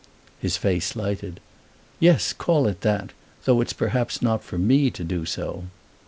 His face lighted. "Yes, call it that, though it's perhaps not for me to do so."